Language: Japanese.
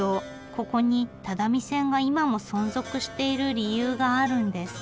ここに只見線が今も存続している理由があるんです。